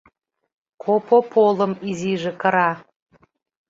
Копополым изиже кыра.